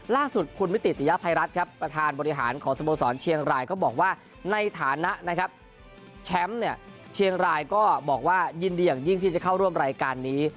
ล่าสุดคุณมิติติยภัยรัฐครับประธานบริหารของสโมสรเชียงรายก็บอกว่าในฐานะนะครับแชมป์เนี่ยเชียงรายก็บอกว่ายินดีอย่างยิ่งที่จะเข้าร่วมรายการนี้